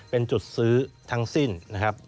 เป็นจุดซื้อทั้งสิ้นนะครับ